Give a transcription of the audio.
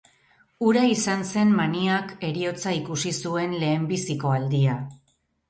Hura izan zen Maniak heriotza ikusi zuen lehenbiziko aldia.